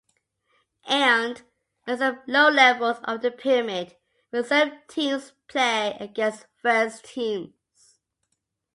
And, at some lower levels of the pyramid, reserve teams play against first teams.